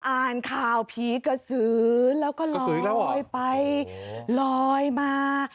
อ่านข่าวผีกระสือแล้วก็ลอยไปลอยมา